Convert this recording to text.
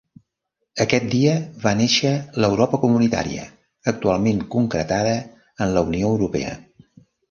Aquest dia va néixer l'Europa comunitària, actualment concretada en la Unió Europea.